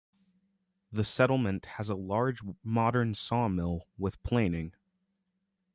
The settlement has a large modern sawmill with planing.